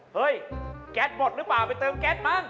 เฮ้ยแก๊สหมดหรือเปล่าไปเติมแก๊สมั้ง